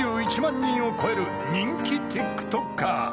人を超える人気ＴｉｋＴｏｋｅｒ］